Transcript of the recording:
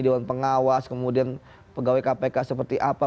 dewan pengawas kemudian pegawai kpk seperti apa